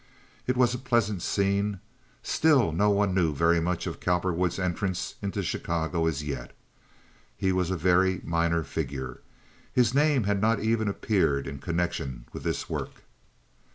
It was a pleasant scene. Still no one knew very much of Cowperwood's entrance into Chicago as yet. He was a very minor figure. His name had not even appeared in connection with this work.